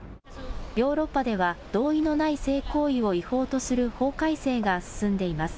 ヨーロッパでは、同意のない性行為を違法とする法改正が進んでいます。